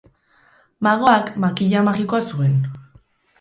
Magoak makila magikoa zuen.